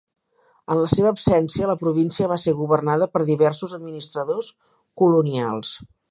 En la seva absència, la província va ser governada per diversos administradors colonials.